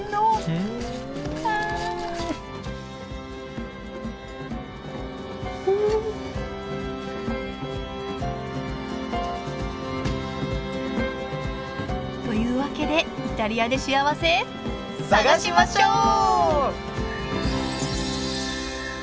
ああ！というわけでイタリアでしあわせ探しましょう！